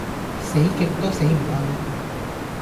死極都死唔去